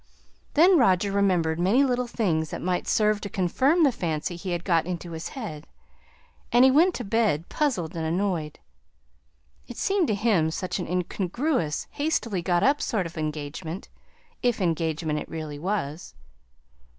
Then Roger remembered many little things that might serve to confirm the fancy he had got into his head; and he went to bed puzzled and annoyed. It seemed to him such an incongruous, hastily got up sort of engagement, if engagement it really was.